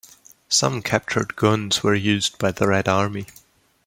Some captured guns were used by the Red Army.